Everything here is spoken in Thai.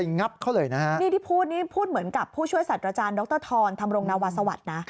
ใช่ค่ะนี่พูดเหมือนกับผู้ช่วยสัตว์อาจารย์ดรทรธรรมนาวาสวรรค์นะ